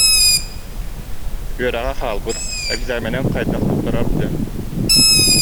Үөрэҕэ хаалбыт, экзаменын хайдах туттарар дьэ